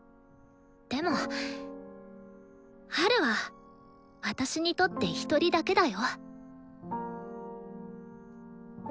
でもハルは私にとって１人だけだよ。